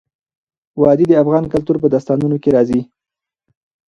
وادي د افغان کلتور په داستانونو کې راځي.